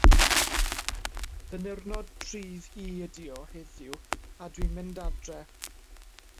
Fy niwrnod rhydd i ydi o heddiw a dw i'n mynd adre.